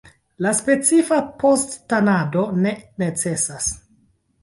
Ia specifa post-tanado ne necesas.